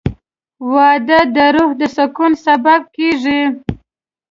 • واده د روح د سکون سبب کېږي.